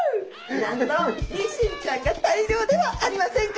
なんとニシンちゃんが大漁ではありませんか。